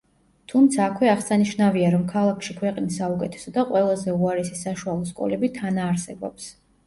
თუმცა აქვე აღსანიშნავია, რომ ქალაქში ქვეყნის საუკეთესო და ყველაზე უარესი საშუალო სკოლები თანაარსებობს.